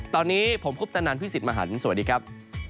ตอนนี้ผมคุปตะนันพี่สิทธิ์มหันฯสวัสดีครับ